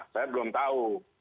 saya belum tahu